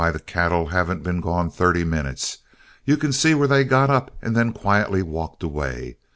Why, the cattle haven't been gone thirty minutes. You can see where they got up and then quietly walked away.